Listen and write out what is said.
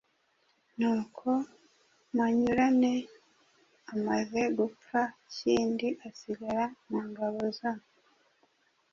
Nuko Manyurane amaze gupfa Kindi asigara mu ngabo za